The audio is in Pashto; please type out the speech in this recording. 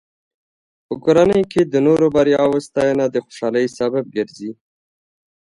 په کورنۍ کې د نورو بریاوو ستاینه د خوشحالۍ سبب ګرځي.